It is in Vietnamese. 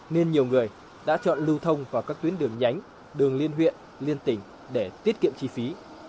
nên nhiều người đã chọn lưu thông vào các tuyến đường nhánh đường liên huyện liên tỉnh để tiết kiệm chi phí